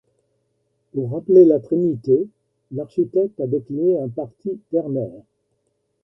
Pour rappeler la Trinité, l'architecte a décliné un parti ternaire.